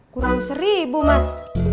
kurang seribu mas